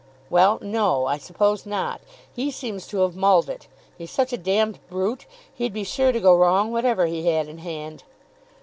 "Well, no; I suppose not. He seems to have mulled it. He's such a d brute, he'd be sure to go wrong whatever he had in hand."